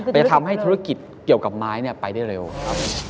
จะทำให้ธุรกิจเกี่ยวกับไม้ไปได้เร็วครับ